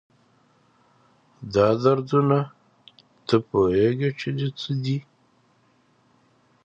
دا دردونه، تۀ پوهېږي چې د څه دي؟